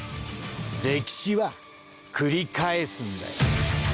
歴史は繰り返すんだよ。